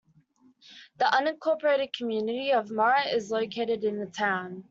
The unincorporated community of Murat is located in the town.